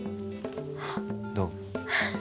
どう？